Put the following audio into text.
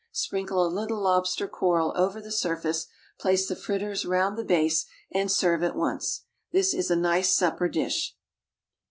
Sprinkle a little lobster coral over the surface, place the fritters round the base, and serve at once. This is a nice supper dish.